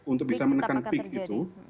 untuk bisa menekan peak itu